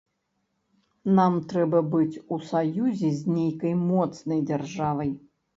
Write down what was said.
Нам трэба быць у саюзе з нейкай моцнай дзяржавай.